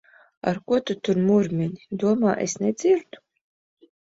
Ar ko tu tur murmini? Domā, es nedzirdu!